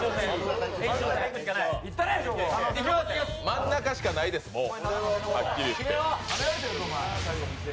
真ん中しかないです、もう。